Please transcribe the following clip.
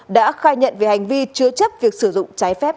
đã khai nhận về hành vi chứa chấp việc sử dụng trái phép